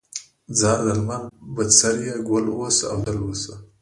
ځار د لمر بڅريه، ګل اوسې او تل اوسې